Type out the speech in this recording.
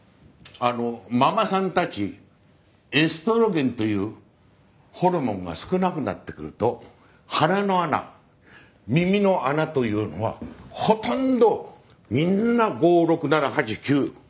ママさんたちエストロゲンというホルモンが少なくなってくると鼻の穴耳の穴というのはほとんどみんな５６７８９